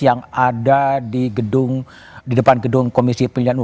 yang ada di gedung di depan gedung komisi pilihan u